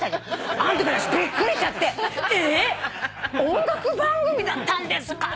あのとき私びっくりしちゃってえっ音楽番組だったんですか！